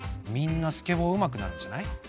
みんなスケボーうまくなるんじゃない？